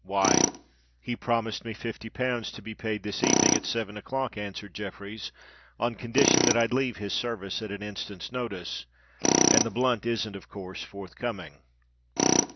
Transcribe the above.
"Why—he promised me fifty pounds, to be paid this evening at seven o'clock," answered Jeffreys; "on condition that I'd leave his service at an instant's notice: and the blunt isn't of course forthcoming."